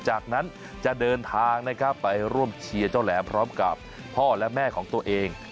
จากนั้นจะเดินทางนะครับไปร่วมเชียร์เจ้าแหลมพร้อมกับพ่อและแม่ของตัวเอง